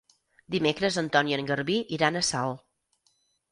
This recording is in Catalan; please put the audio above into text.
Dimecres en Ton i en Garbí iran a Salt.